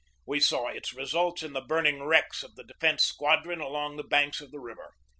We saw its results in the burning wrecks of the De fence Squadron along the banks of the river.